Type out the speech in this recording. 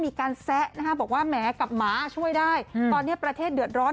แซะบอกว่าแหมกับหมาช่วยได้ตอนนี้ประเทศเดือดร้อน